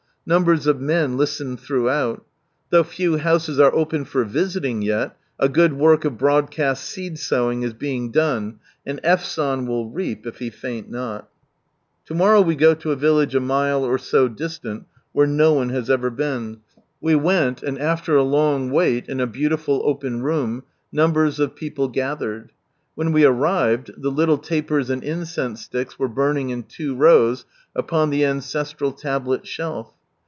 Numbers of men listened throughout Though few houses are open for visiting yet, a good work of broad cast seed sowing is being done, and F. San will reap if he faint not. From Sunrise Land 1 a village a mile or two distant, where no one has erer :, and after a long wait, in a beautiful open room, numbers of people gathered. When we arrived the little tapers and incense sticks were burning in two rows, upon the ancestral tablet shelf.